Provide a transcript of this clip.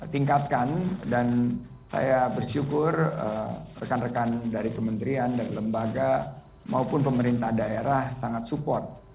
tentunya langkah langkah ini harus terus ditingkatkan dan saya bersyukur rekan rekan dari kementerian dan lembaga maupun pemerintah daerah sangat support